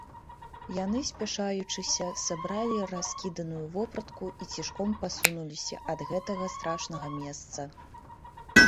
Яны, спяшаючыся, сабралі раскіданую вопратку і цішком пасунуліся ад гэтага страшнага месца.